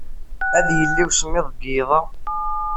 Ad yili usemmiḍ deg yiḍ-a.